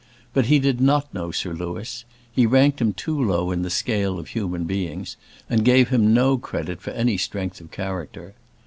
But he did not know Sir Louis; he ranked him too low in the scale of human beings, and gave him no credit for any strength of character.